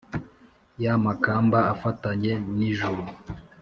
ya makamba afatanye n' ijuru